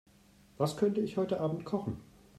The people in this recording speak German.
Was könnte ich heute Abend kochen?